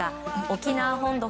沖縄本土